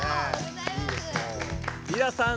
リラさん